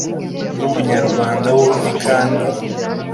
n’umunyarwanda wundi kandi